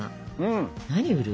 何売る？